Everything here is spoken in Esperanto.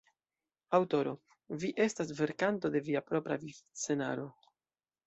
Aŭtoro: Vi estas verkanto de via propra viv-scenaro.